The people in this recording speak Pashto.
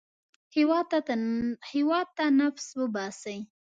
هېواد ته نفس وباسئ